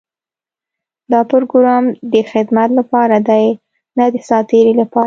دا پروګرام د خدمت لپاره دی، نۀ د ساعتېري لپاره.